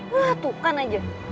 lah tuh kan aja